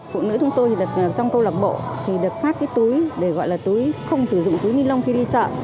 phụ nữ chúng tôi đặt trong câu lạc bộ thì được phát cái túi để gọi là túi không sử dụng túi ni lông khi đi chợ